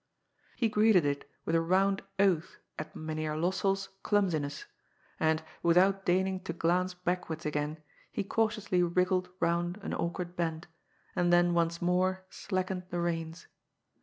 He greeted it with a round oath at Mynheer LosselPs INTO A CLOUD OP MIST. 9 clumsiness, and, without deigning to glance backwards again, he cautiously wriggled round an awkward bend, and then once more slackened the reins.